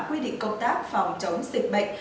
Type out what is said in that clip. quy định cộng tác phòng chống dịch bệnh